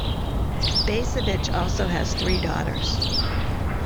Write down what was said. Bacevich also has three daughters.